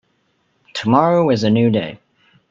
Tomorrow is a new day.